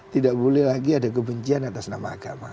tidak boleh lagi ada kebencian atas nama agama